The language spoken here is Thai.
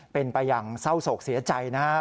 เป็นไปอย่างเศร้าโศกเสียใจนะครับ